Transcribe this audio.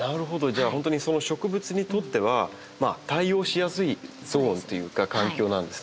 じゃあ本当にその植物にとっては対応しやすいゾーンというか環境なんですね。